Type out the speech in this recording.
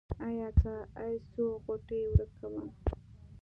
ای اکا ای څو غوټې ورکمه.